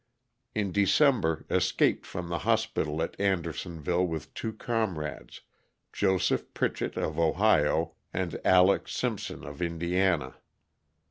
In December escaped from the hospital at Andersonville with two comrades, Joseph Pritchet of Ohio and Alex. Simpson of Indiana.